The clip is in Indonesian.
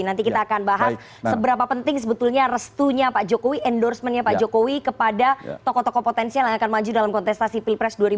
nanti kita akan bahas seberapa penting sebetulnya restunya pak jokowi endorsementnya pak jokowi kepada tokoh tokoh potensial yang akan maju dalam bidang ini